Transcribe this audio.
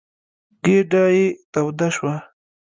ګېډه یې توده شوه.